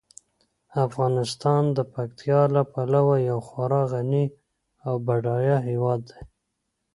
افغانستان د پکتیکا له پلوه یو خورا غني او بډایه هیواد دی.